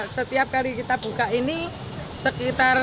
setiap kali kita buka ini sekitar